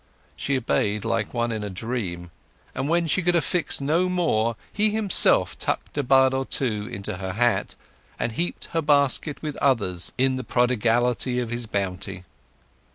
She obeyed like one in a dream, and when she could affix no more he himself tucked a bud or two into her hat, and heaped her basket with others in the prodigality of his bounty.